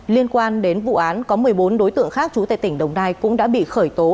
liên quan đến vụ án có một mươi bốn đối tượng khác chú tại tỉnh đồng nai cũng đã bị khởi tố